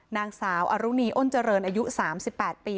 นางสาวอรุณีอ้นเจริญอายุ๓๘ปี